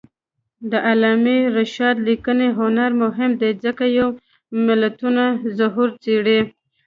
د علامه رشاد لیکنی هنر مهم دی ځکه چې ملتونو ظهور څېړي.